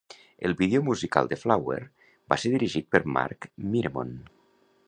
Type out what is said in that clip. El vídeo musical de "Flower" va ser dirigit per Mark Miremont.